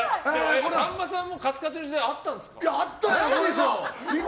さんまさんもカツカツの時代あったんですか？